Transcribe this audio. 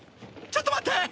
ちょっと待ってー！